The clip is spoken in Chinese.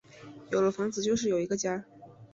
有了房子就是有一个家